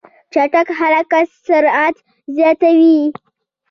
چټک حرکت سرعت زیاتوي.